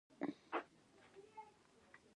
د ونې پوستکی د هغې ساتنه کوي